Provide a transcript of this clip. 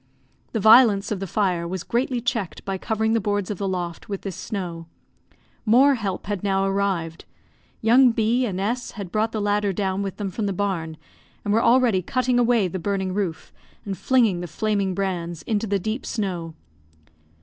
The violence of the fire was greatly checked by covering the boards of the loft with this snow. More help had now arrived. Young B and S had brought the ladder down with them from the barn, and were already cutting away the burning roof, and flinging the flaming brands into the deep snow.